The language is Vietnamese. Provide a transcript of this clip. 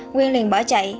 nguyên liền bỏ chạy